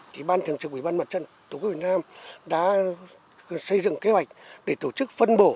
thì ban thường trực ủy ban mặt trân tq việt nam đã xây dựng kế hoạch để tổ chức phân bổ